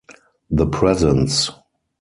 The presence.